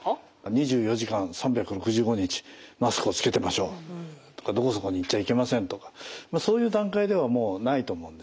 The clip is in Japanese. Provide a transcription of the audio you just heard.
「２４時間３６５日マスクをつけてましょう」とか「どこそこに行っちゃいけません」とかそういう段階ではもうないと思うんですね。